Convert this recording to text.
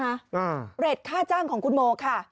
เรทค่าจ้างของคุณโมค่ะ